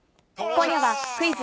今夜は、クイズ！